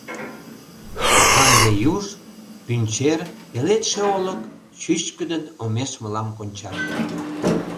Канде юж, пӱнчер, пеледше олык Чӱчкыдын омеш мылам кончат.